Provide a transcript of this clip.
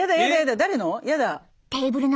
誰の？